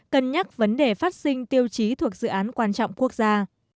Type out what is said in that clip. cân nhắc vấn đề phát sinh tiêu chí thuộc dự án quan trọng quốc gia